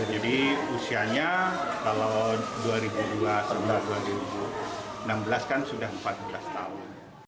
jadi usianya kalau dua ribu dua sampai dua ribu enam belas kan sudah empat belas tahun